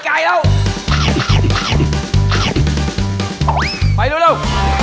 มันคุยจังวะ